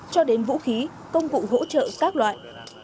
cho đến vũ khí công cụ hỗ trợ các loại